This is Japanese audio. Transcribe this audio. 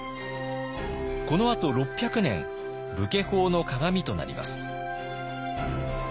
このあと６００年武家法の鑑となります。